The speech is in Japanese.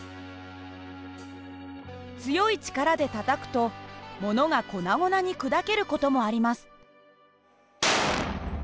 強い力でたたくとものが粉々に砕ける事もあります。